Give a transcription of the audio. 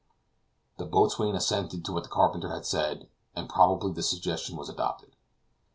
The boatswain assented to what the carpenter had said, and probably the suggestion was adopted.